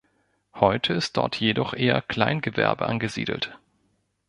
Heute ist dort jedoch eher Kleingewerbe angesiedelt.